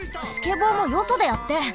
スケボーもよそでやって！